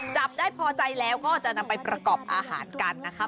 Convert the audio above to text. จับได้พอใจแล้วก็จะนำไปประกอบอาหารกันนะคะ